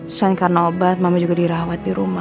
selain karena obat mama juga dirawat di rumah